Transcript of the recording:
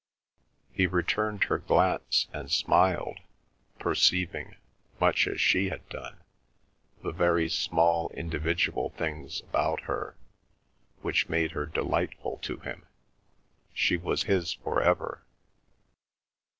He returned her glance and smiled, perceiving, much as she had done, the very small individual things about her which made her delightful to him. She was his for ever.